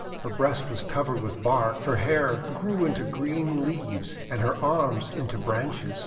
Her breast was covered with bark, her hair grew into green leaves and her arms into branches.